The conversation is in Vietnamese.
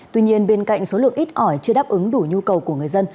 tuy nhiên bên cạnh số lượng ít ỏi chưa đáp ứng đủ nhu cầu của người dân